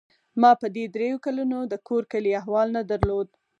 ما په دې درېو کلونو د کور کلي احوال نه درلود.